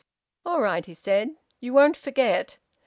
"All right!" he said. "You won't forget?"